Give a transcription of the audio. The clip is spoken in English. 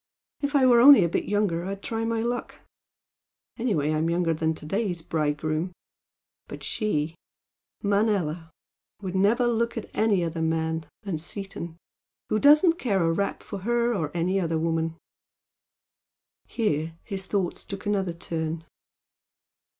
If I were only a bit younger I'd try my luck! anyway I'm younger than to day's bridegroom! but she Manella would never look at any other man than Seaton, who doesn't care a rap for her or any other woman!" Here his thoughts took another turn.